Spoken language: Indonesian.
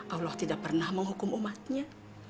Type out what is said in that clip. allah tidak pernah menghukum umatnya